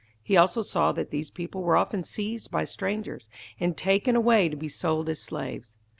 He also saw that these people were often seized by strangers, and taken away to be sold as slaves.